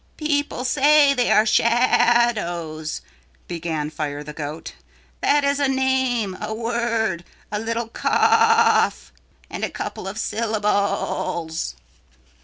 "People say they are shadows," began Fire the Goat. "That is a name, a word, a little cough and a couple of syllables.